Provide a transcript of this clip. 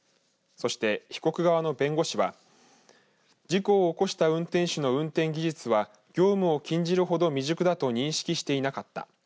そして被告側の弁護士は事故を起こした運転手の運転技術は業務を禁じるほど未熟だと認識していなかった。